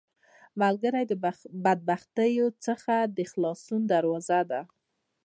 ملګری د بدبختیو څخه د خلاصون دروازه ده